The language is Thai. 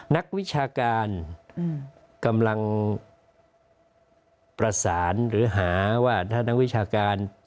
นักวิชาการกำลังประสานหรือหาว่าถ้านักวิชาการ